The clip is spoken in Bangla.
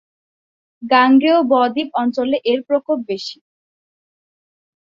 গাঙ্গেয় ব-দ্বীপ অঞ্চলে এর প্রকোপ বেশি।